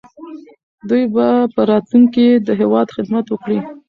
دوی به په راتلونکي کې د هېواد خدمت وکړي.